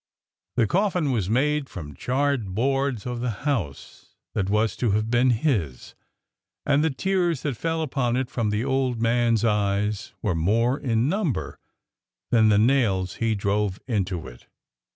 The coffin was made from charred boards of the house that was to have been his, and ORDER NO. 11 318 the tears that fell upon it from the old man's eyes were more in number than the nails he drove into it.